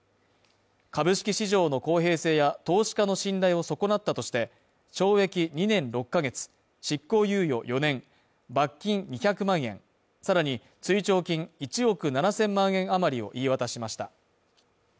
株式市場の公平性や投資家の信頼をそこなったとして、懲役２年６ヶ月、執行猶予４年罰金２００万円、さらに、追徴金１億７０００万円余りを言い渡しました。